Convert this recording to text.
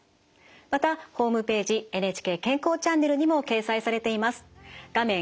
またホームページ「ＮＨＫ健康チャンネル」にも掲載されています。